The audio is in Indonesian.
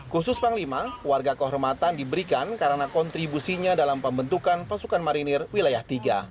khusus panglima warga kehormatan diberikan karena kontribusinya dalam pembentukan pasukan marinir wilayah tiga